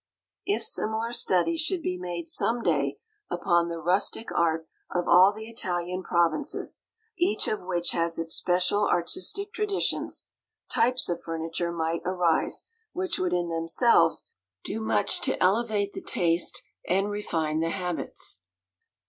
If similar studies should be made some day upon the rustic art of all the Italian provinces, each of which has its special artistic traditions, "types of furniture" might arise which would in themselves do much to elevate the taste and refine the habits.